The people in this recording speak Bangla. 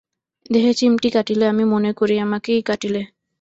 দেহে চিমটি কাটিলে আমি মনে করি, আমাকেই কাটিলে।